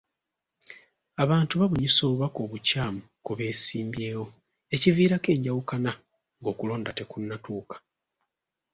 Abantu babunyisa obubaka obukyamu ku beesimbyewo ekiviirako enjawukana ng'okulonda tekunnatuuka.